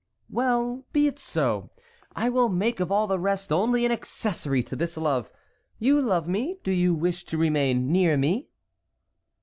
"Well, be it so; I will make of all the rest only an accessory to this love. You love me; do you wish to remain near me?"